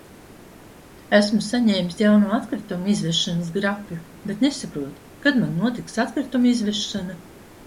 Esmu saņēmis jauno atkritumu izvešanas grafiku, bet nesaprotu, kad man notiks atkritumu izvešana?